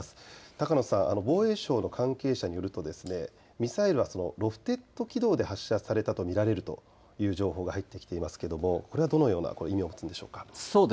高野さん、防衛省の関係者によりますとミサイルはロフテッド軌道で発射されたと見られるという情報が入ってきていますがこれはどのような意味を持ちますか。